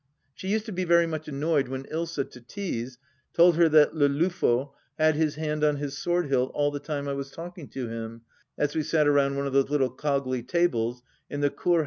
She used to be very much annoyed when Ilsa, to tease, told her that Le Loffel had his hand on his sword hilt all the time I was talking to him, as we sat around one of those little coggly tables in the Kur Haus.